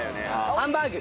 ハンバーグ！